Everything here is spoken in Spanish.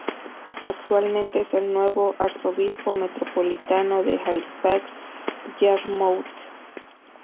Actualmente es el nuevo Arzobispo Metropolitano de Halifax-Yarmouth.